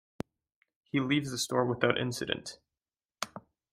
He leaves the store without incident.